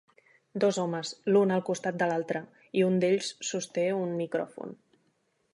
Dos homes, l'un al costat de l'altre, i un d'ells sosté un micròfon.